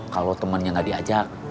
kalo temennya gak diajak